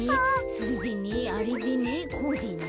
それでねあれでねこうでね。